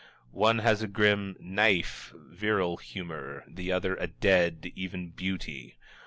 One has a grim, naĂŻf, virile humor, the other a dead, even beauty.